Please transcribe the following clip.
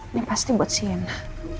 ini pasti buat sienna